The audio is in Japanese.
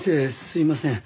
すいません。